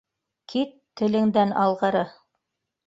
— Кит, телеңдән алғыры.